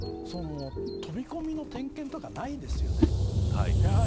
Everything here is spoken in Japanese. いまどき、飛び込みの点検とかないですよね。